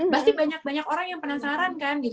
pasti banyak banyak orang yang penasaran kan gitu